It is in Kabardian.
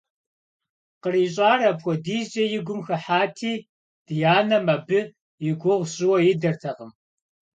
КърищӀар апхуэдизкӀэ и гум хыхьати, дянэм абы и гугъу сщӀыуэ идэртэкъым.